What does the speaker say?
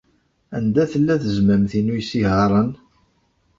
Anda tella tezmamt-inu n yisihaṛen?